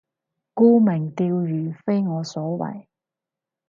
沽名釣譽非我所為